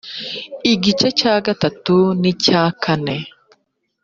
igice cya gatatu n icya kane